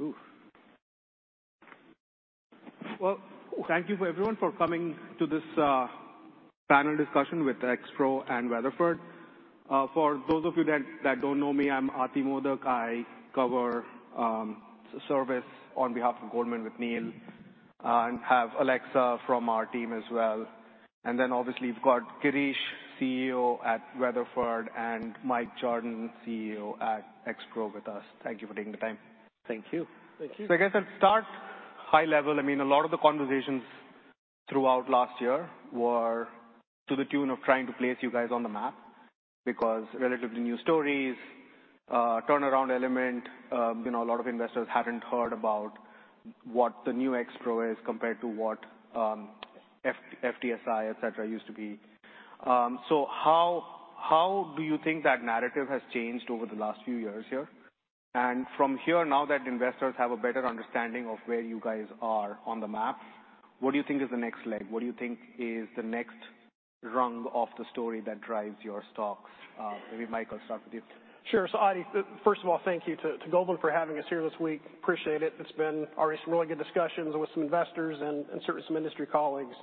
Ooh! Well, thank you for everyone for coming to this, panel discussion with Expro and Weatherford. For those of you that don't know me, I'm Ati Modak. I cover service on behalf of Goldman with Neil, and have Alexa from our team as well. And then obviously, we've got Girish, CEO at Weatherford, and Mike Jardon, CEO at Expro with us. Thank you for taking the time. Thank you. Thank you. So I guess I'll start high level. I mean, a lot of the conversations throughout last year were to the tune of trying to place you guys on the map, because relatively new stories, turnaround element, you know, a lot of investors haven't heard about what the new Expro is compared to what, FTSI, et cetera, used to be. So how, how do you think that narrative has changed over the last few years here? And from here, now that investors have a better understanding of where you guys are on the map, what do you think is the next leg? What do you think is the next rung of the story that drives your stocks? Maybe, Mike, I'll start with you. Sure. So, Ati, first of all, thank you to Goldman for having us here this week. Appreciate it. It's been already some really good discussions with some investors and certain some industry colleagues.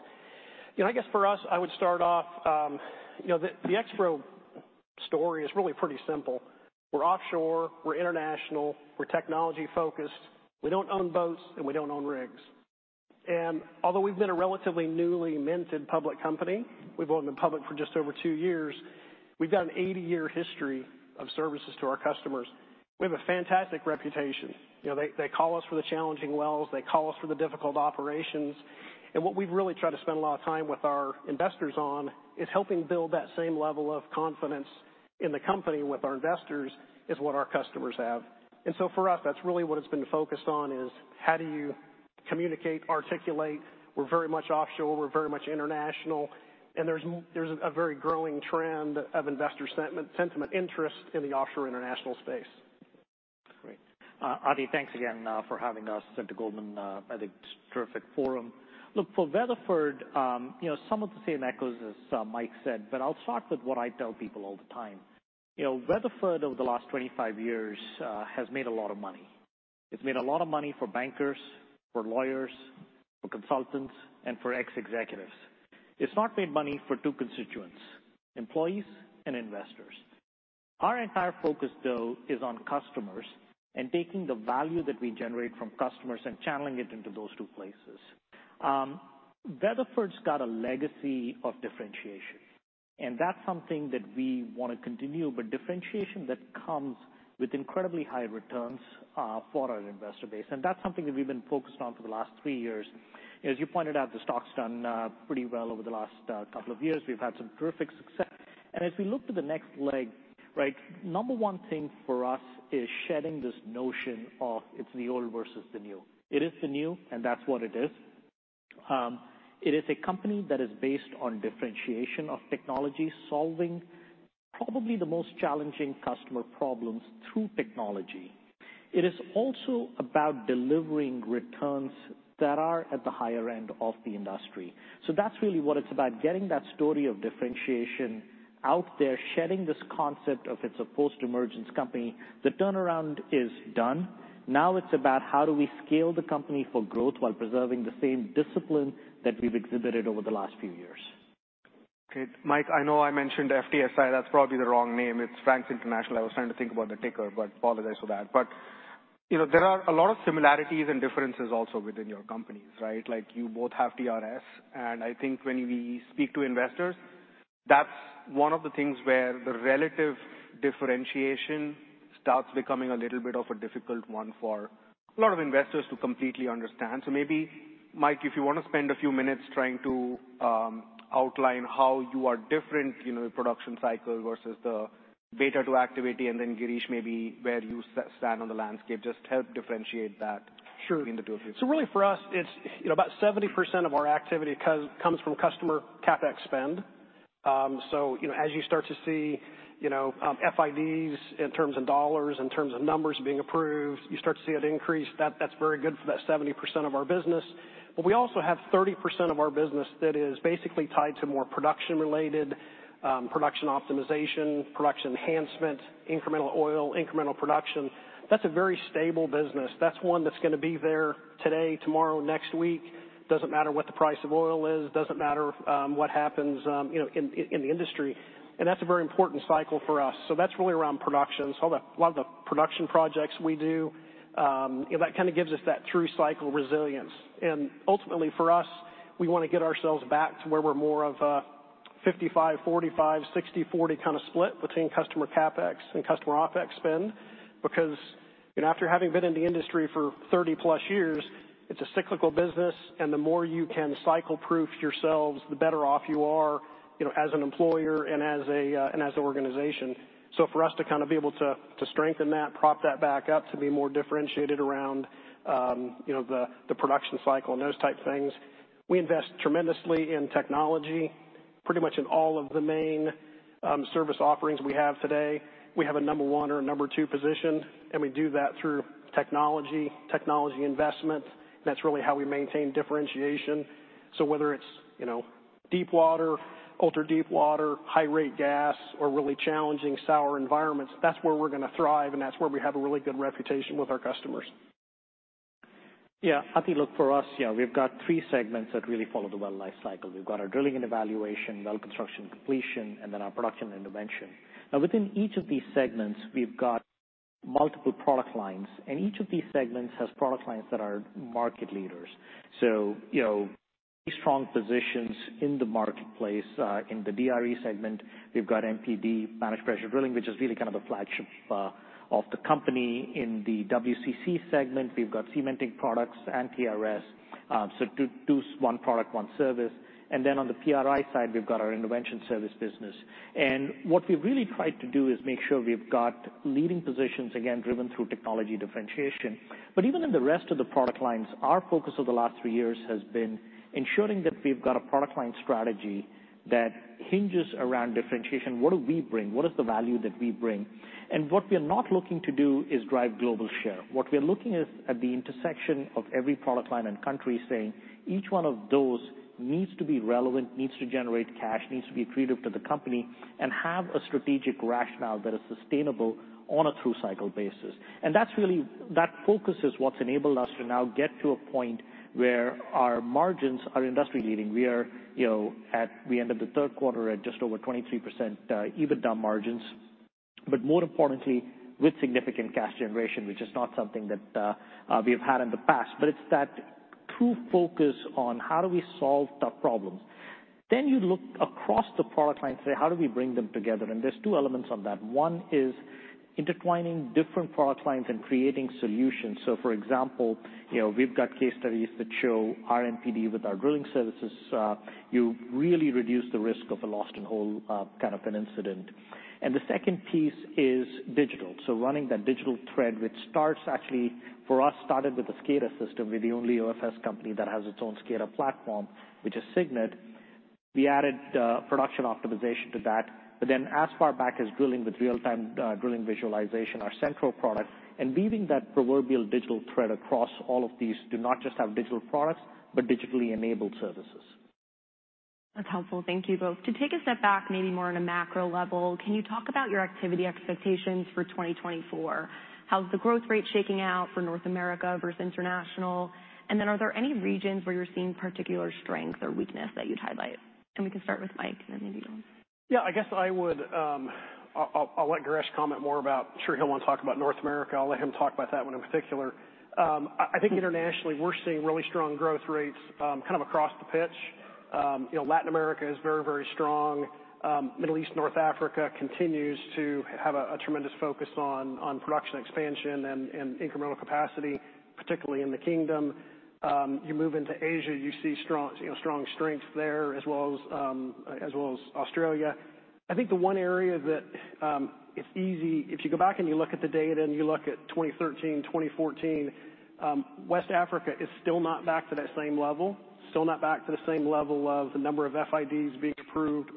You know, I guess for us, I would start off, you know, the Expro story is really pretty simple. We're offshore, we're international, we're technology-focused, we don't own boats, and we don't own rigs. And although we've been a relatively newly minted public company, we've only been public for just over two years, we've got an 80-year history of services to our customers. We have a fantastic reputation. You know, they call us for the challenging wells, they call us for the difficult operations. What we've really tried to spend a lot of time with our investors on is helping build that same level of confidence in the company with our investors, is what our customers have. And so for us, that's really what it's been focused on, is how do you communicate, articulate? We're very much offshore, we're very much international, and there's a very growing trend of investor sentiment interest in the offshore international space. Great. Ati, thanks again for having us and to Goldman. I think it's a terrific forum. Look, for Weatherford, you know, some of the same echoes as Mike said, but I'll start with what I tell people all the time. You know, Weatherford, over the last 25 years, has made a lot of money. It's made a lot of money for bankers, for lawyers, for consultants, and for ex-executives. It's not made money for two constituents: employees and investors. Our entire focus, though, is on customers and taking the value that we generate from customers and channeling it into those two places. Weatherford's got a legacy of differentiation, and that's something that we wanna continue, but differentiation that comes with incredibly high returns for our investor base, and that's something that we've been focused on for the last 3 years. As you pointed out, the stock's done pretty well over the last couple of years. We've had some terrific success. And as we look to the next leg, right, number one thing for us is shedding this notion of it's the old versus the new. It is the new, and that's what it is. It is a company that is based on differentiation of technology, solving probably the most challenging customer problems through technology. It is also about delivering returns that are at the higher end of the industry. So that's really what it's about, getting that story of differentiation out there, shedding this concept of it's a post-emergence company. The turnaround is done. Now it's about how do we scale the company for growth while preserving the same discipline that we've exhibited over the last few years. Okay, Mike, I know I mentioned FTSI. That's probably the wrong name. It's Frank's International. I was trying to think about the ticker, but apologize for that. But, you know, there are a lot of similarities and differences also within your companies, right? Like, you both have TRS, and I think when we speak to investors, that's one of the things where the relative differentiation starts becoming a little bit of a difficult one for a lot of investors to completely understand. So maybe, Mike, if you wanna spend a few minutes trying to outline how you are different, you know, the production cycle versus the beta to activity, and then, Girish, maybe where you stand on the landscape, just help differentiate that- Sure. between the two of you. So really, for us, it's, you know, about 70% of our activity comes from customer CapEx spend. So, you know, as you start to see, you know, FIDs in terms of dollars, in terms of numbers being approved, you start to see it increase. That's very good for that 70% of our business. But we also have 30% of our business that is basically tied to more production-related, production optimization, production enhancement, incremental oil, incremental production. That's a very stable business. That's one that's gonna be there today, tomorrow, next week. Doesn't matter what the price of oil is, doesn't matter, you know, what happens, you know, in, in the industry, and that's a very important cycle for us. So that's really around production. So a lot of the production projects we do, you know, that kind of gives us that true cycle resilience. And ultimately, for us, we wanna get ourselves back to where we're more of a 55/45, 60/40 kind of split between customer CapEx and customer OpEx spend. Because, you know, after having been in the industry for 30+ years, it's a cyclical business, and the more you can cycle-proof yourselves, the better off you are, you know, as an employer and as a, and as an organization. So for us to kind of be able to, to strengthen that, prop that back up, to be more differentiated around, you know, the production cycle and those type of things. We invest tremendously in technology. Pretty much in all of the main service offerings we have today, we have a number one or a number two position, and we do that through technology, technology investment. That's really how we maintain differentiation. So whether it's, you know, deep water, ultra-deep water, high-rate gas, or really challenging sour environments, that's where we're gonna thrive, and that's where we have a really good reputation with our customers. Yeah, Ati, look, for us, yeah, we've got three segments that really follow the well life cycle. We've got our drilling and evaluation, well construction and completions, and then our production and intervention. Now, within each of these segments, we've got multiple product lines, and each of these segments has product lines that are market leaders. So, you know, strong positions in the marketplace. In the DRE segment, we've got MPD, Managed Pressure Drilling, which is really kind of the flagship of the company. In the WCC segment, we've got cementing products and TRS, so two: one product, one service. And then on the PRI side, we've got our intervention service business. And what we've really tried to do is make sure we've got leading positions, again, driven through technology differentiation. But even in the rest of the product lines, our focus over the last three years has been ensuring that we've got a product line strategy that hinges around differentiation. What do we bring? What is the value that we bring? And what we are not looking to do is drive global share. What we are looking is at the intersection of every product line and country, saying each one of those needs to be relevant, needs to generate cash, needs to be accretive to the company, and have a strategic rationale that is sustainable on a through-cycle basis. And that's really that focus is what's enabled us to now get to a point where our margins are industry leading. We are, you know, we ended the third quarter at just over 23% EBITDA margins, but more importantly, with significant cash generation, which is not something that we have had in the past. But it's that true focus on how do we solve tough problems? Then you look across the product line and say, how do we bring them together? And there's two elements on that. One is intertwining different product lines and creating solutions. So for example, you know, we've got case studies that show our MPD with our drilling services, you really reduce the risk of a lost-in-hole kind of an incident. And the second piece is digital. So running that digital thread, which starts actually, for us, started with the SCADA system. We're the only OFS company that has its own SCADA platform, which is CygNet. We added production optimization to that, but then as far back as drilling with real-time drilling visualization, our Centro, and weaving that proverbial digital thread across all of these to not just have digital products, but digitally enabled services. That's helpful. Thank you both. To take a step back, maybe more on a macro level, can you talk about your activity expectations for 2024? How's the growth rate shaking out for North America versus international? And then are there any regions where you're seeing particular strength or weakness that you'd highlight? And we can start with Mike, and then maybe you, Girish. Yeah, I guess I would. I'll let Girish comment more about—I'm sure he'll want to talk about North America. I'll let him talk about that one in particular. I think internationally, we're seeing really strong growth rates, kind of across the pitch. You know, Latin America is very, very strong. Middle East, North Africa continues to have a tremendous focus on production expansion and incremental capacity, particularly in the Kingdom. You move into Asia, you see strong, you know, strong strength there, as well as, as well as Australia. I think the one area that it's easy—if you go back and you look at the data, and you look at 2013, 2014, West Africa is still not back to that same level, still not back to the same level of the number of FIDs being approved.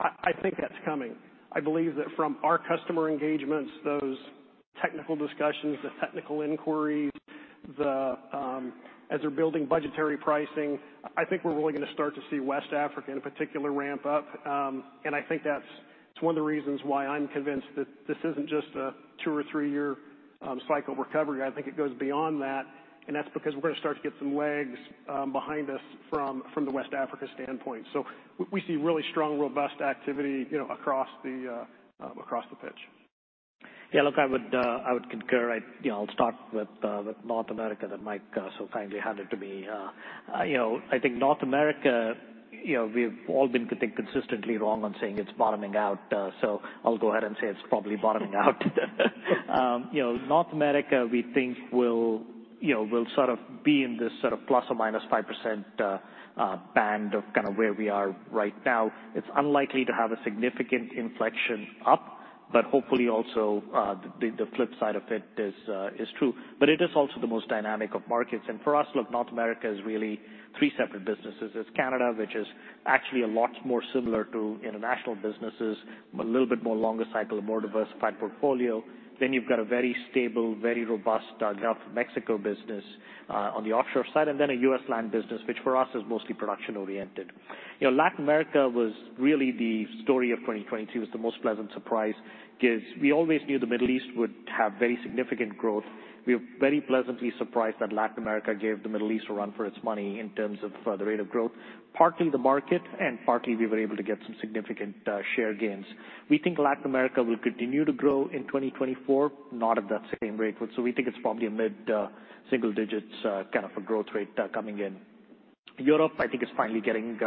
I, I think that's coming. I believe that from our customer engagements, those technical discussions, the technical inquiries, as they're building budgetary pricing, I think we're really gonna start to see West Africa, in particular, ramp up. And I think that's, it's one of the reasons why I'm convinced that this isn't just a 2 or 3-year cycle recovery. I think it goes beyond that, and that's because we're gonna start to get some legs behind us from the West Africa standpoint. We see really strong, robust activity, you know, across the pitch. Yeah, look, I would, I would concur. I, you know, I'll start with, with North America, that Mike, so kindly handed to me. You know, I think North America, you know, we've all been consistently wrong on saying it's bottoming out, so I'll go ahead and say it's probably bottoming out. You know, North America, we think will, you know, will sort of be in this sort of ±5% band of kind of where we are right now. It's unlikely to have a significant inflection up, but hopefully also, the, the flip side of it is, is true. But it is also the most dynamic of markets. And for us, look, North America is really three separate businesses. It's Canada, which is actually a lot more similar to international businesses, but a little bit more longer cycle, a more diversified portfolio. Then you've got a very stable, very robust Gulf of Mexico business on the offshore side, and then a U.S. land business, which for us is mostly production oriented. You know, Latin America was really the story of 2022. It's the most pleasant surprise, because we always knew the Middle East would have very significant growth. We are very pleasantly surprised that Latin America gave the Middle East a run for its money in terms of the rate of growth, partly the market, and partly we were able to get some significant share gains. We think Latin America will continue to grow in 2024, not at that same rate. So we think it's probably a mid single digits kind of a growth rate coming in. Europe, I think, is finally getting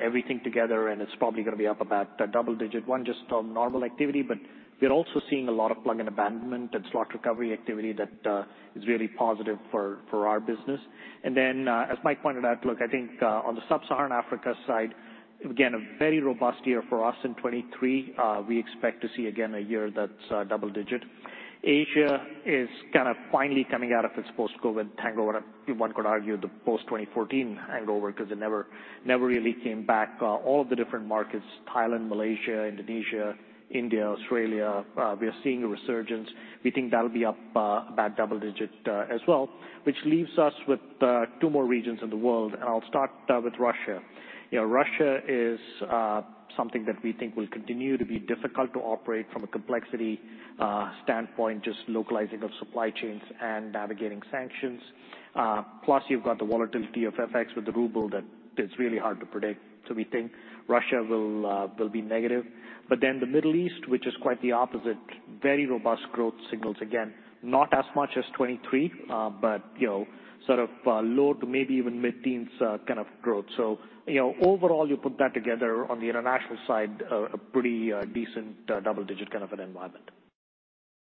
everything together, and it's probably gonna be up about a double digit one, just on normal activity, but we're also seeing a lot of plug and abandonment and slot recovery activity that is really positive for our business. And then, as Mike pointed out, look, I think, on the Sub-Saharan Africa side, again, a very robust year for us in 2023. We expect to see again a year that's double digit. Asia is kind of finally coming out of its post-COVID hangover, and one could argue the post-2014 hangover, 'cause it never really came back. All of the different markets, Thailand, Malaysia, Indonesia, India, Australia, we are seeing a resurgence. We think that'll be up about double-digit as well, which leaves us with two more regions in the world, and I'll start with Russia. You know, Russia is something that we think will continue to be difficult to operate from a complexity standpoint, just localizing of supply chains and navigating sanctions. Plus, you've got the volatility of FX with the ruble that is really hard to predict. So we think Russia will be negative. But then the Middle East, which is quite the opposite, very robust growth signals. Again, not as much as 2023, but you know, sort of low- to maybe even mid-teens kind of growth. So, you know, overall, you put that together on the international side, a pretty decent double-digit kind of an environment.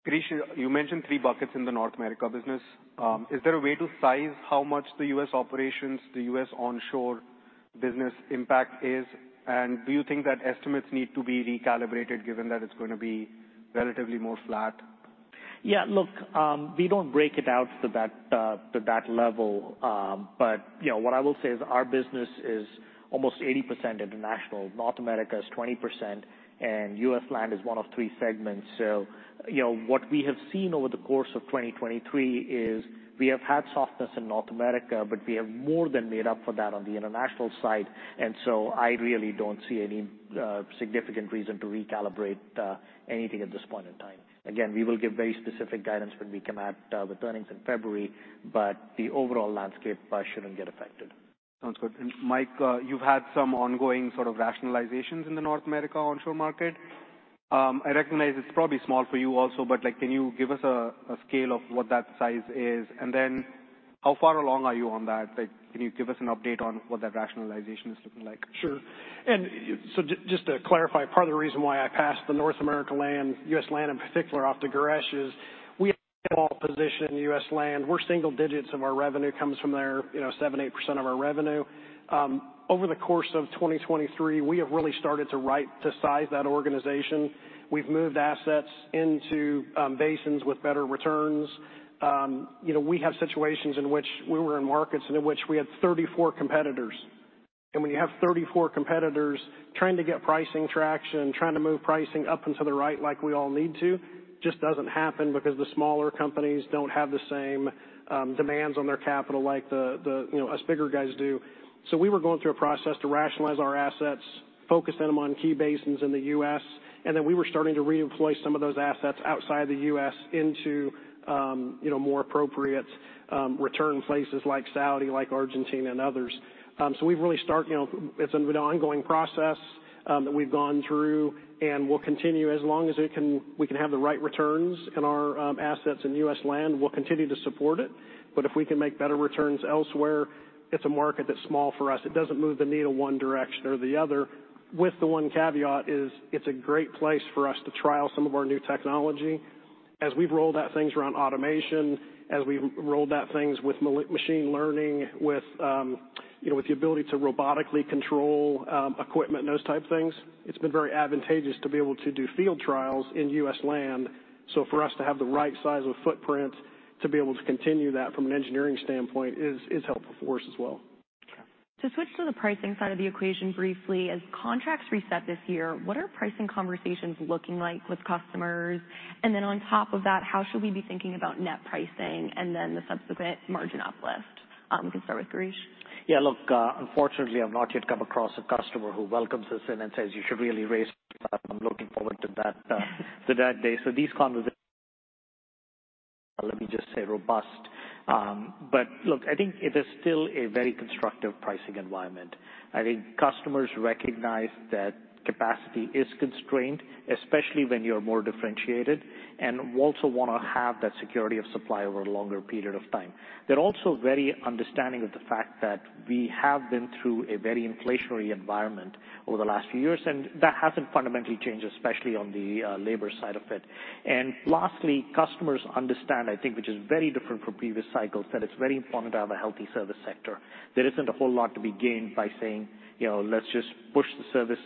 Girish, you mentioned three buckets in the North America business. Is there a way to size how much the U.S. operations, the U.S. onshore business impact is? And do you think that estimates need to be recalibrated given that it's gonna be relatively more flat? Yeah, look, we don't break it out to that, to that level, but you know, what I will say is our business is almost 80% international. North America is 20%, and U.S. land is one of three segments. So, you know, what we have seen over the course of 2023 is we have had softness in North America, but we have more than made up for that on the international side, and so I really don't see any, significant reason to recalibrate, anything at this point in time. Again, we will give very specific guidance when we come out with earnings in February, but the overall landscape, shouldn't get affected. Sounds good. And Mike, you've had some ongoing sort of rationalizations in the North America onshore market. I recognize it's probably small for you also, but, like, can you give us a scale of what that size is? And then how far along are you on that? Like, can you give us an update on what that rationalization is looking like? Sure. And so just to clarify, part of the reason why I passed the North America land, U.S. land in particular, off to Girish is we have a small position in U.S. land. We're single digits of our revenue comes from there, you know, 7%-8% of our revenue. Over the course of 2023, we have really started to rightsize that organization. We've moved assets into basins with better returns. You know, we have situations in which we were in markets in which we had 34 competitors. And when you have 34 competitors trying to get pricing traction, trying to move pricing up and to the right like we all need to, just doesn't happen because the smaller companies don't have the same demands on their capital like the, you know, us bigger guys do. So we were going through a process to rationalize our assets, focus them on key basins in the U.S., and then we were starting to reemploy some of those assets outside the U.S. into, you know, more appropriate, return places like Saudi, like Argentina and others. So we've really started, you know, it's an ongoing process that we've gone through and will continue. As long as we can, we can have the right returns on our assets in U.S. land, we'll continue to support it. But if we can make better returns elsewhere, it's a market that's small for us. It doesn't move the needle one direction or the other, with the one caveat is it's a great place for us to trial some of our new technology. As we've rolled out things around automation, as we've rolled out things with machine learning, with, you know, with the ability to robotically control equipment and those type of things, it's been very advantageous to be able to do field trials in U.S. land. So for us to have the right size of footprint to be able to continue that from an engineering standpoint is helpful for us as well. Okay. To switch to the pricing side of the equation briefly, as contracts reset this year, what are pricing conversations looking like with customers? And then on top of that, how should we be thinking about net pricing and then the subsequent margin uplift? We can start with Girish. Yeah, look, unfortunately, I've not yet come across a customer who welcomes us in and says, "You should really raise." I'm looking forward to that, to that day. So these conversations... Let me just say, robust. But look, I think it is still a very constructive pricing environment. I think customers recognize that capacity is constrained, especially when you're more differentiated, and also wanna have that security of supply over a longer period of time. They're also very understanding of the fact that we have been through a very inflationary environment over the last few years, and that hasn't fundamentally changed, especially on the, labor side of it. And lastly, customers understand, I think, which is very different from previous cycles, that it's very important to have a healthy service sector. There isn't a whole lot to be gained by saying, you know, "Let's just push the service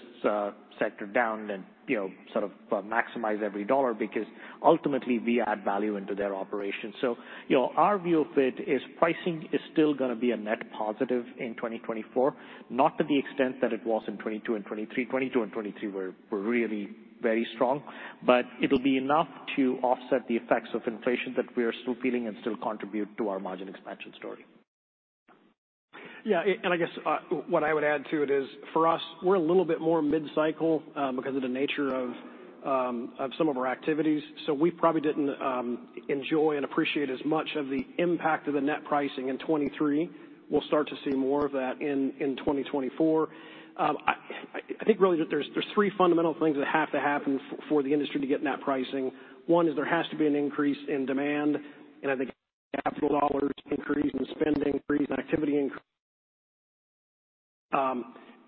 sector down and, you know, sort of maximize every dollar," because ultimately we add value into their operations. So you know, our view of it is pricing is still gonna be a net positive in 2024, not to the extent that it was in '22 and '23. '22 and '23 were, were really very strong, but it'll be enough to offset the effects of inflation that we are still feeling and still contribute to our margin expansion story. Yeah, and I guess, what I would add to it is, for us, we're a little bit more mid-cycle, because of the nature of, of some of our activities. So we probably didn't, enjoy and appreciate as much of the impact of the net pricing in 2023. We'll start to see more of that in, in 2024. I think really that there's, there's three fundamental things that have to happen for the industry to get net pricing. One, is there has to be an increase in demand, and I think capital dollars increase and spending increase and activity increase.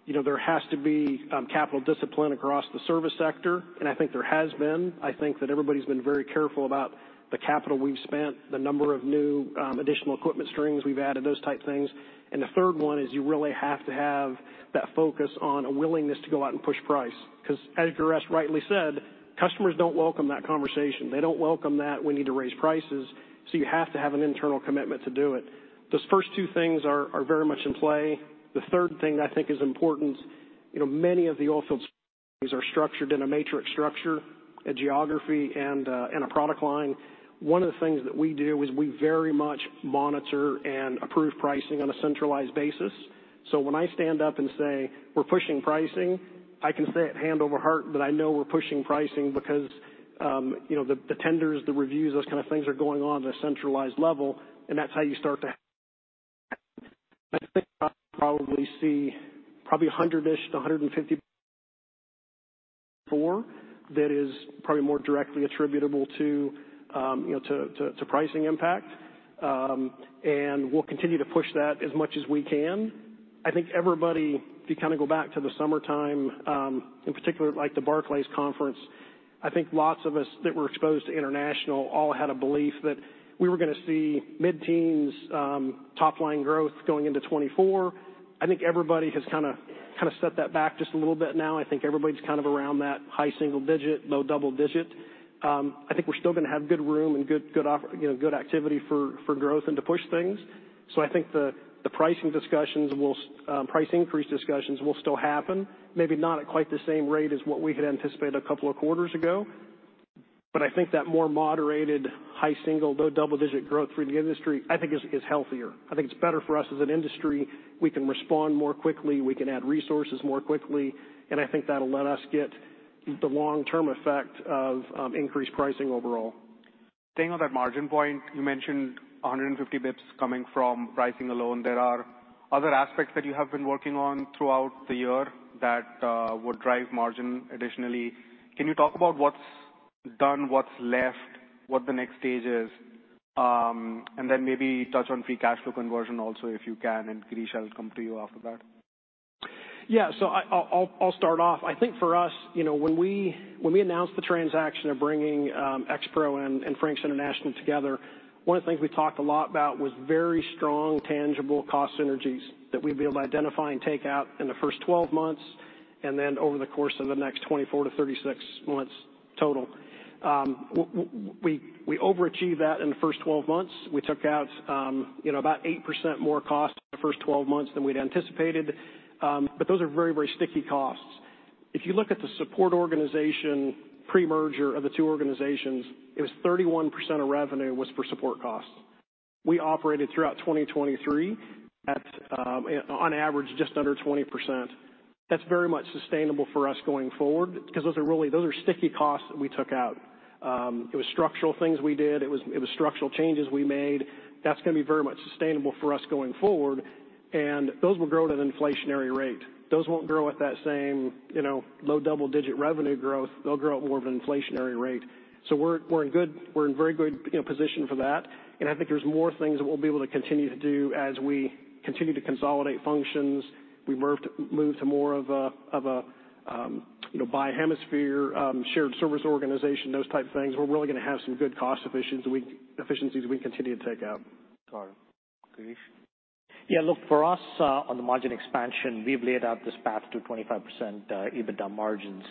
You know, there has to be, capital discipline across the service sector, and I think there has been. I think that everybody's been very careful about the capital we've spent, the number of new, additional equipment strings we've added, those type of things. And the third one is you really have to have that focus on a willingness to go out and push price.... 'cause as Girish rightly said, customers don't welcome that conversation. They don't welcome that we need to raise prices, so you have to have an internal commitment to do it. Those first two things are very much in play. The third thing that I think is important, you know, many of the oil fields are structured in a matrix structure, a geography, and a product line. One of the things that we do is we very much monitor and approve pricing on a centralized basis. So when I stand up and say, "We're pushing pricing," I can say it hand over heart, that I know we're pushing pricing because, you know, the tenders, the reviews, those kind of things are going on at a centralized level, and that's how you start to- I think I probably see a hundred-ish to 150 that is probably more directly attributable to, you know, to pricing impact. And we'll continue to push that as much as we can. I think everybody, if you kind of go back to the summertime, in particular, like the Barclays conference, I think lots of us that were exposed to international all had a belief that we were gonna see mid-teens, top line growth going into 2024. I think everybody has kinda, kinda set that back just a little bit now. I think everybody's kind of around that high single digit, low double digit. I think we're still gonna have good room and you know, good activity for growth and to push things. So I think the pricing discussions will price increase discussions will still happen, maybe not at quite the same rate as what we had anticipated a couple of quarters ago, but I think that more moderated high single, low double-digit growth through the industry, I think is healthier. I think it's better for us as an industry. We can respond more quickly, we can add resources more quickly, and I think that'll let us get the long-term effect of increased pricing overall. Staying on that margin point, you mentioned 150 basis points coming from pricing alone. There are other aspects that you have been working on throughout the year that would drive margin additionally. Can you talk about what's done, what's left, what the next stage is, and then maybe touch on free cash flow conversion also, if you can, and, Girish, I'll come to you after that. Yeah. So I'll start off. I think for us, you know, when we, when we announced the transaction of bringing Expro and Frank's International together, one of the things we talked a lot about was very strong, tangible cost synergies that we'd be able to identify and take out in the first 12 months, and then over the course of the next 24-36 months total. We overachieved that in the first 12 months. We took out, you know, about 8% more cost in the first 12 months than we'd anticipated, but those are very, very sticky costs. If you look at the support organization, pre-merger of the two organizations, it was 31% of revenue was for support costs. We operated throughout 2023 at, on average, just under 20%. That's very much sustainable for us going forward because those are sticky costs that we took out. It was structural things we did. It was structural changes we made. That's gonna be very much sustainable for us going forward, and those will grow at an inflationary rate. Those won't grow at that same, you know, low double-digit revenue growth. They'll grow at more of an inflationary rate. So we're in very good, you know, position for that, and I think there's more things that we'll be able to continue to do as we continue to consolidate functions. We move to more of a, of a, you know, bi-hemisphere, shared service organization, those type of things. We're really gonna have some good cost efficiencies we continue to take out. Got it. Girish? Yeah, look, for us, on the margin expansion, we've laid out this path to 25% EBITDA margins.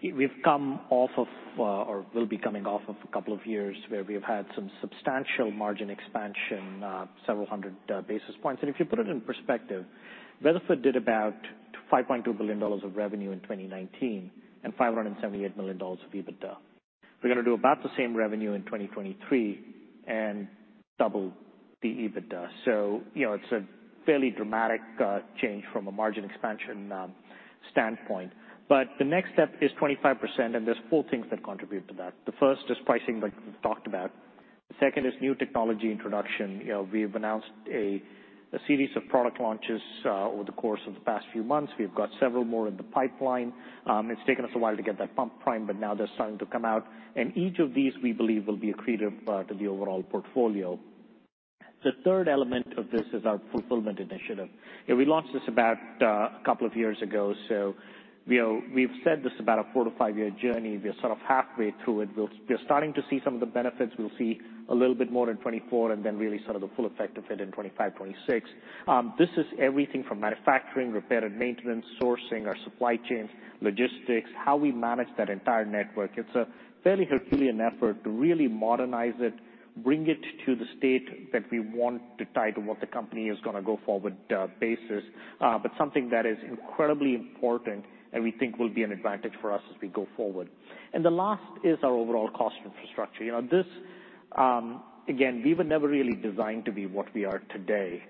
We've come off of, or will be coming off of a couple of years where we have had some substantial margin expansion, several hundred basis points. And if you put it in perspective, Weatherford did about $5.2 billion of revenue in 2019, and $578 million of EBITDA. We're gonna do about the same revenue in 2023 and double the EBITDA. So you know, it's a fairly dramatic change from a margin expansion standpoint. But the next step is 25%, and there's four things that contribute to that. The first is pricing, like we've talked about. The second is new technology introduction. You know, we've announced a series of product launches over the course of the past few months. We've got several more in the pipeline. It's taken us a while to get that pump primed, but now they're starting to come out, and each of these, we believe, will be accretive to the overall portfolio. The third element of this is our fulfillment initiative. We launched this about a couple of years ago, so you know, we've said this is about a 4-5-year journey. We are sort of halfway through it. We're starting to see some of the benefits. We'll see a little bit more in 2024, and then really sort of the full effect of it in 2025, 2026. This is everything from manufacturing, repair and maintenance, sourcing, our supply chains, logistics, how we manage that entire network. It's a fairly herculean effort to really modernize it, bring it to the state that we want to tie to what the company is gonna go forward, basis, but something that is incredibly important and we think will be an advantage for us as we go forward. And the last is our overall cost infrastructure. You know, this, again, we were never really designed to be what we are today,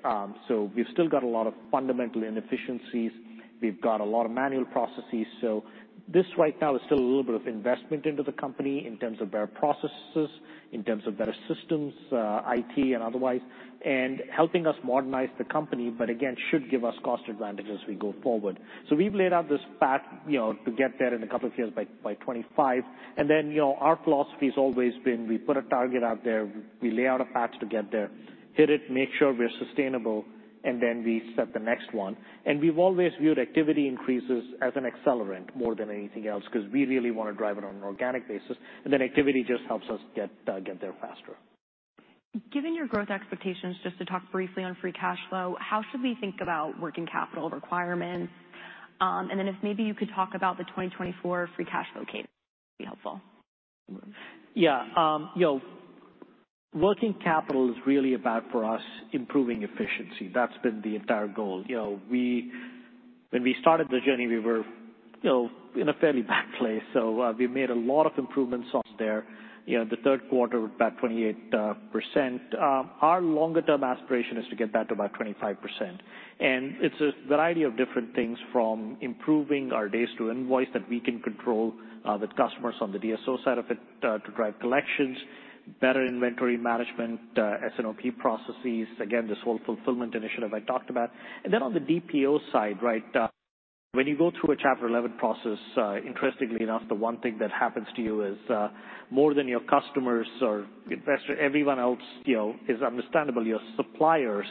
so we've still got a lot of fundamental inefficiencies. We've got a lot of manual processes. So this right now is still a little bit of investment into the company in terms of better processes, in terms of better systems, IT and otherwise, and helping us modernize the company, but again, should give us cost advantage as we go forward. So we've laid out this path, you know, to get there in a couple of years, by 25. And then, you know, our philosophy has always been, we put a target out there, we lay out a path to get there, hit it, make sure we're sustainable, and then we set the next one. And we've always viewed activity increases as an accelerant more than anything else, 'cause we really wanna drive it on an organic basis, and then activity just helps us get there faster.... Given your growth expectations, just to talk briefly on free cash flow, how should we think about working capital requirements? And then if maybe you could talk about the 2024 free cash flow case, be helpful. Yeah, you know, working capital is really about, for us, improving efficiency. That's been the entire goal. You know, when we started the journey, we were, you know, in a fairly bad place, so we made a lot of improvements on there. You know, the third quarter, about 28%. Our longer-term aspiration is to get that to about 25%. And it's a variety of different things from improving our days to invoice that we can control with customers on the DSO side of it to drive collections, better inventory management, S&OP processes, again, this whole fulfillment initiative I talked about. Then on the DPO side, right, when you go through a Chapter 11 process, interestingly enough, the one thing that happens to you is, more than your customers or investors, everyone else, you know, is understandably, your suppliers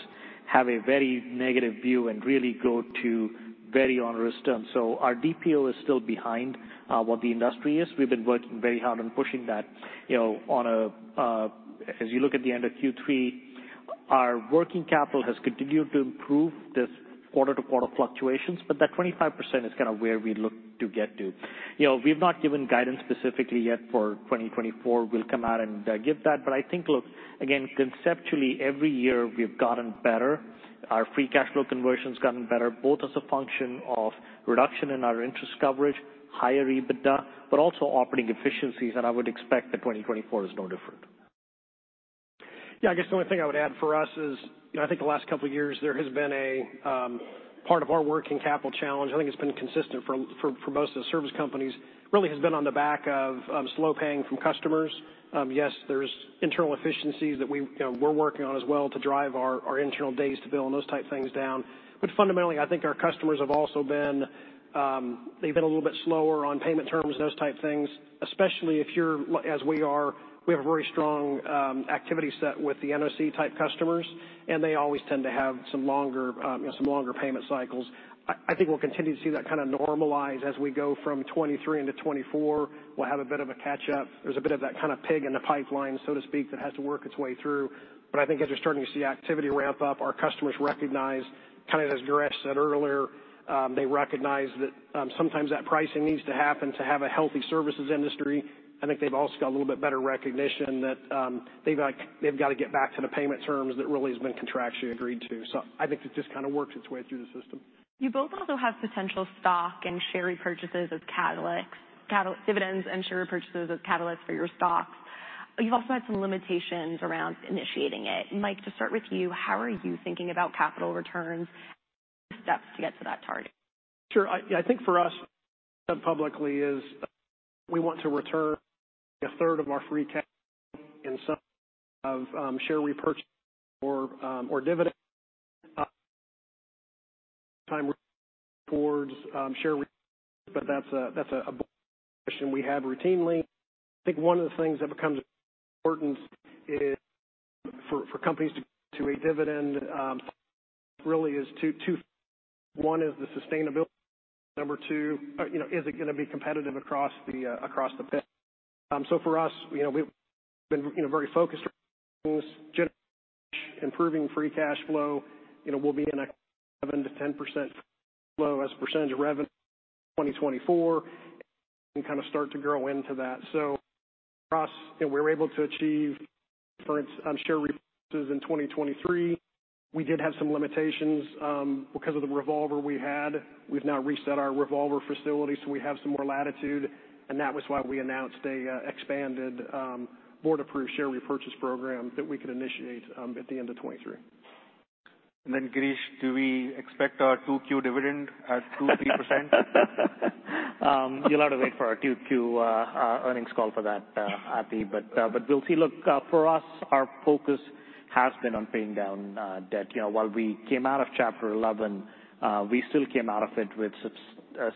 have a very negative view and really go to very onerous terms. So our DPO is still behind, what the industry is. We've been working very hard on pushing that. You know, on a, as you look at the end of Q3, our working capital has continued to improve this quarter-to-quarter fluctuations, but that 25% is kind of where we look to get to. You know, we've not given guidance specifically yet for 2024. We'll come out and give that. But I think, look, again, conceptually, every year we've gotten better. Our free cash flow conversion has gotten better, both as a function of reduction in our interest coverage, higher EBITDA, but also operating efficiencies, and I would expect that 2024 is no different. Yeah, I guess the only thing I would add for us is, I think the last couple of years, there has been a part of our working capital challenge, I think it's been consistent for most of the service companies, really has been on the back of slow paying from customers. Yes, there's internal efficiencies that we, you know, we're working on as well to drive our internal days to bill and those type things down. But fundamentally, I think our customers have also been, they've been a little bit slower on payment terms and those type things, especially if you're, as we are, we have a very strong activity set with the NOC type customers, and they always tend to have some longer payment cycles. I think we'll continue to see that kind of normalize as we go from 2023 into 2024. We'll have a bit of a catch up. There's a bit of that kind of pig in the pipeline, so to speak, that has to work its way through. But I think as you're starting to see activity ramp up, our customers recognize, kind of as Girish said earlier, they recognize that, sometimes that pricing needs to happen to have a healthy services industry. I think they've also got a little bit better recognition that, they've got to get back to the payment terms that really has been contractually agreed to. So I think it just kind of works its way through the system. You both also have potential stock and share repurchases as catalysts, dividends and share repurchases as catalysts for your stocks. You've also had some limitations around initiating it. Mike, to start with you, how are you thinking about capital returns, steps to get to that target? Sure. I think for us, publicly, is we want to return a third of our free cash in some of share repurchase or dividend time towards share repurchase, but that's a discussion we have routinely. I think one of the things that becomes important is for companies to a dividend really is two: One, is the sustainability. Number two, you know, is it gonna be competitive across the pit? So for us, you know, we've been, you know, very focused on generating, improving free cash flow. You know, we'll be in a 7%-10% flow as a percentage of revenue in 2024 and kind of start to grow into that. So for us, you know, we were able to achieve, for instance, share repurchases in 2023. We did have some limitations, because of the revolver we had. We've now reset our revolver facility, so we have some more latitude, and that was why we announced a expanded board-approved share repurchase program that we could initiate, at the end of 2023. And then, Girish, do we expect our 2Q dividend at 2%-3%? You'll have to wait for our 2Q earnings call for that, happy, but we'll see. Look, for us, our focus has been on paying down debt. You know, while we came out of Chapter 11, we still came out of it with a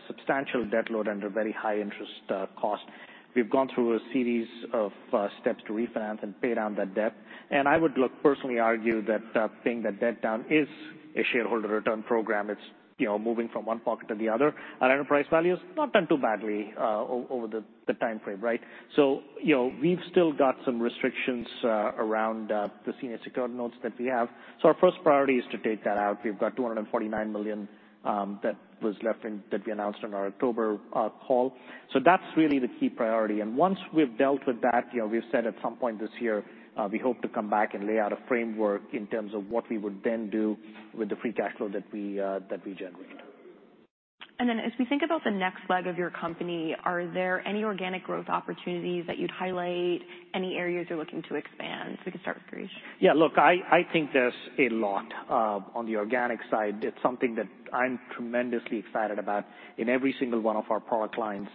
substantial debt load under very high interest cost. We've gone through a series of steps to refinance and pay down that debt. And I would, look, personally argue that paying that debt down is a shareholder return program. It's, you know, moving from one pocket to the other, and enterprise value's not done too badly over the time frame, right? So, you know, we've still got some restrictions around the senior secured notes that we have. So our first priority is to take that out. We've got $249 million, that was left in, that we announced on our October call. So that's really the key priority. And once we've dealt with that, you know, we've said at some point this year, we hope to come back and lay out a framework in terms of what we would then do with the free cash flow that we, that we generate. And then as we think about the next leg of your company, are there any organic growth opportunities that you'd highlight? Any areas you're looking to expand? We can start with Girish. Yeah, look, I think there's a lot on the organic side. It's something that I'm tremendously excited about in every single one of our product lines.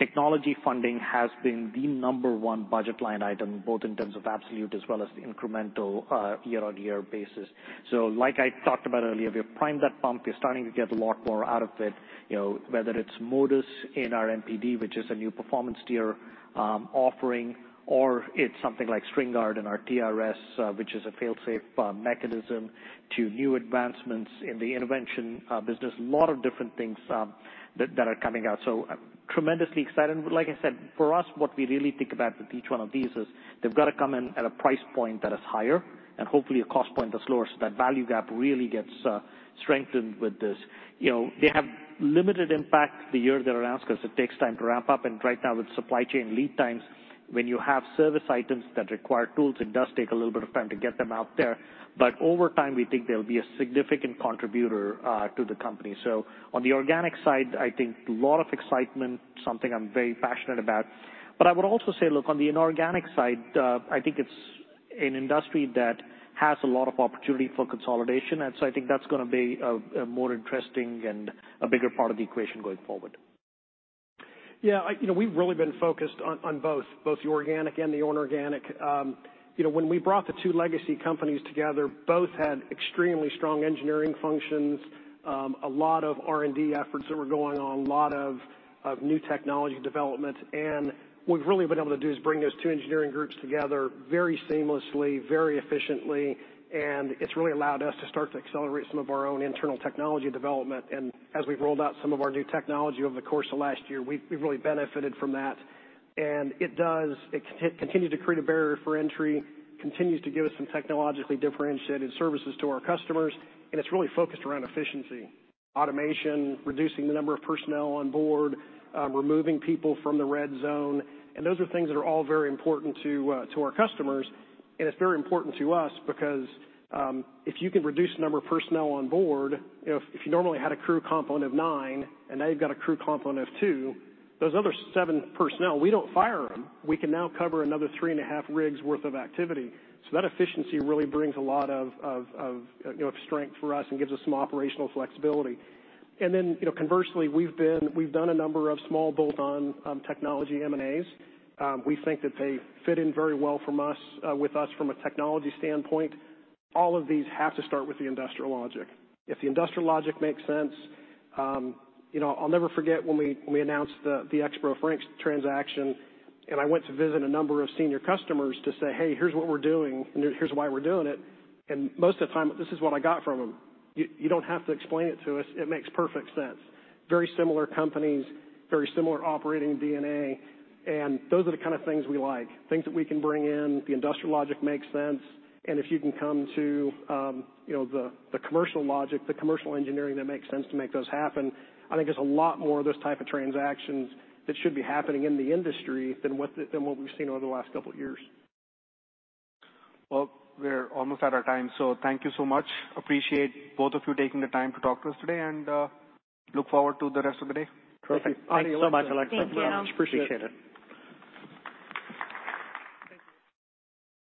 Technology funding has been the number one budget line item, both in terms of absolute as well as the incremental year-on-year basis. So like I talked about earlier, we have primed that pump. We're starting to get a lot more out of it, you know, whether it's Modus in our MPD, which is a new performance tier offering, or it's something like StringGuard in our TRS, which is a fail-safe mechanism to new advancements in the intervention business. A lot of different things that are coming out, so I'm tremendously excited. But like I said, for us, what we really think about with each one of these is they've got to come in at a price point that is higher and hopefully a cost point that's lower, so that value gap really gets strengthened with this. You know, they have limited impact the year they're announced because it takes time to ramp up, and right now, with supply chain lead times, when you have service items that require tools, it does take a little bit of time to get them out there. But over time, we think they'll be a significant contributor to the company. So on the organic side, I think a lot of excitement, something I'm very passionate about. I would also say, look, on the inorganic side, I think it's an industry that has a lot of opportunity for consolidation, and so I think that's gonna be a more interesting and a bigger part of the equation going forward. Yeah, you know, we've really been focused on both the organic and the inorganic. You know, when we brought the two legacy companies together, both had extremely strong engineering functions, a lot of R&D efforts that were going on, a lot of new technology development. And what we've really been able to do is bring those two engineering groups together very seamlessly, very efficiently, and it's really allowed us to start to accelerate some of our own internal technology development. And as we've rolled out some of our new technology over the course of last year, we've really benefited from that. It does, it continue to create a barrier for entry, continues to give us some technologically differentiated services to our customers, and it's really focused around efficiency, automation, reducing the number of personnel on board, removing people from the red zone. And those are things that are all very important to our customers. And it's very important to us because if you can reduce the number of personnel on board, you know, if you normally had a crew component of 9 and now you've got a crew component of 2, those other 7 personnel, we don't fire them. We can now cover another 3.5 rigs worth of activity. So that efficiency really brings a lot of, you know, strength for us and gives us some operational flexibility. And then, you know, conversely, we've been -- we've done a number of small bolt-on, technology M&As. We think that they fit in very well from us, with us from a technology standpoint. All of these have to start with the industrial logic. If the industrial logic makes sense, you know, I'll never forget when we announced the Expro-Frank's transaction, and I went to visit a number of senior customers to say, "Hey, here's what we're doing, and here's why we're doing it." And most of the time, this is what I got from them: "You don't have to explain it to us. It makes perfect sense." Very similar companies, very similar operating DNA, and those are the kind of things we like, things that we can bring in. The industrial logic makes sense, and if you can come to, you know, the commercial logic, the commercial engineering, that makes sense to make those happen. I think there's a lot more of those type of transactions that should be happening in the industry than what we've seen over the last couple of years. Well, we're almost out of time, so thank you so much. Appreciate both of you taking the time to talk to us today, and, look forward to the rest of the day. Perfect. Thank you so much, Alex. Appreciate it. Appreciate it.